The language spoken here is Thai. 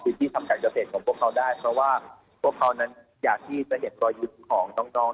พื้นที่ทำการเจ้าเศษของพวกเขาได้เพราะว่าพวกเขานั้นอยากที่จะเห็นตัวอยุ่นของน้องน้อง